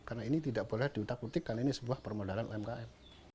karena ini tidak boleh diutak utik karena ini sebuah permodalan umkm